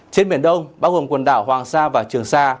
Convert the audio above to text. trên biển đông bao gồm quần đảo hoàng sa và trường sa